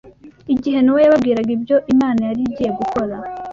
Igihe Nowa yababwiraga ibyo Imana yari igiye gukora